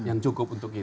yang cukup untuk itu